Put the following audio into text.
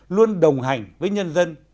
luôn đồng hành với nhân dân